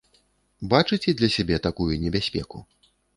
Бачыце для сябе такую небяспеку?